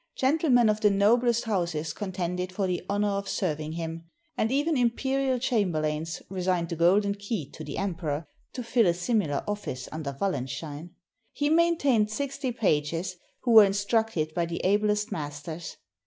Gentlemen of the noblest houses contended for the honor of serving him, and even imperial chamberlains resigned the golden key to the Emperor, to fill a similar office under Wallenstein. He maintained sixty pages, who were instructed by the ablest masters.